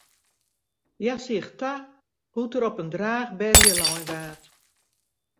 Hja seach ta hoe't er op in draachberje lein waard.